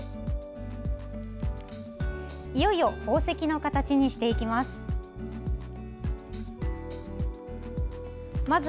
いよいよ宝石の形にしていきます。